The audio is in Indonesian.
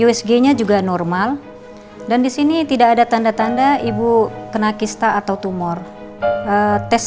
usg nya juga normal dan disini tidak ada tanda tanda ibu kena kista atau tumor test